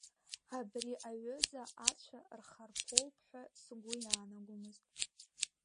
Абри аҩыза ацәа рхарԥоуп ҳәа сгәы иаанагомызт.